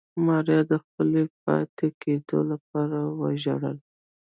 ماريا د خپلې پاتې کېدو لپاره وژړل.